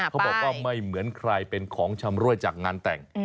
เขาบอกว่าไม่เหมือนใครเป็นของชำรวยจากงานแต่ง